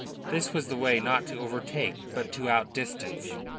This was the way not to overtake but to outdistance.